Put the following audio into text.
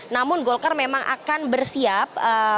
namun golkar memang akan bersiap